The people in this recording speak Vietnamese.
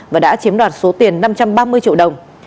và đã chiếm đoạt số tiền năm trăm ba mươi triệu đồng